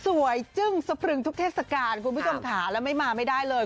จึ้งสะพรึงทุกเทศกาลคุณผู้ชมค่ะแล้วไม่มาไม่ได้เลย